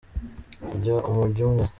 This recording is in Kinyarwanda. tujya umujyo umwe.